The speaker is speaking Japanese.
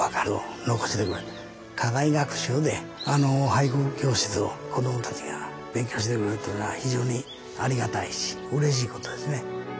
課外学習で俳句教室を子どもたちが勉強してくれるっていうのは非常にありがたいしうれしいことですね。